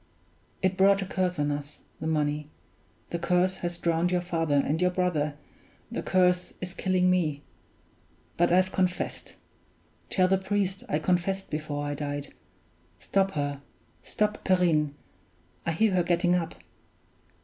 It brought a curse on us, the money; the curse has drowned your father and your brother; the curse is killing me; but I've confessed tell the priest I confessed before I died. Stop her; stop Perrine! I hear her getting up.